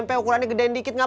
tidak ada yang ngajakin gue